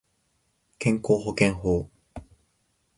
健康保険法